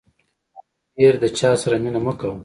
له حده ډېر د چاسره مینه مه کوه.